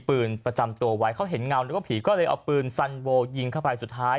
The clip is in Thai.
ประจำตัวไว้เขาเห็นเงานึกว่าผีก็เลยเอาปืนสันโวยิงเข้าไปสุดท้าย